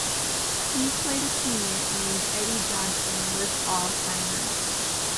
He played a senior named Eddie Johnson with Alzheimer's.